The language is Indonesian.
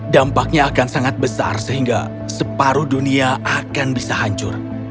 dampaknya akan sangat besar sehingga separuh dunia akan bisa hancur